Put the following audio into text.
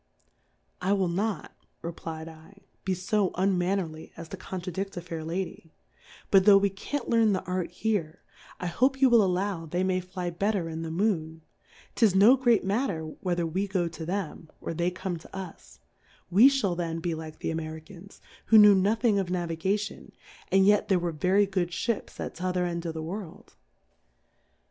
I will not, replfd /, be fo un mannerly as to contradi£t a fair Lady ; but tlio' we can't learn the Art here, t hope you v^ill allow they may fly bet ter in the Moon ; 'tis no great matter whether we go to them, or they come to us, we fhall then be like the Jmtri cans^ who knew nothing of Navigati on, and yet there were very good S!)ips at t'other end of the World.